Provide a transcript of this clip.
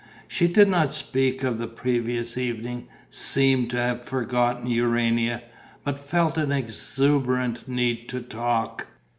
She did not speak of the previous evening, seemed to have forgotten Urania, but felt an exuberant need to talk.